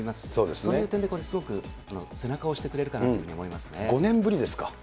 そういう点でこれすごく背中を押してくれるかなというふうに５年ぶりですか？